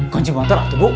kunci motor atuh bu